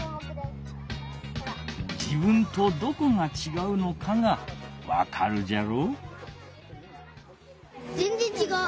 自分とどこがちがうのかがわかるじゃろ。